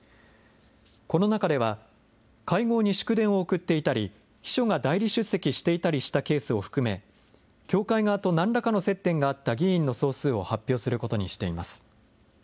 この中では、会合に祝電を送っていたり、秘書が代理出席していたりしたケースも含め、教会側となんらかの接点があった議員の総数を発表することにしています。